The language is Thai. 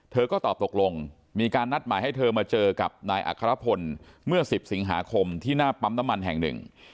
เธอก็ตอบตกลงมีการนัดหมายให้เธอมาเจอกับนายอัครพลเมื่อ๑๐สิงหาคมที่หน้าปั๊มน้ำมันแห่งหนึ่ง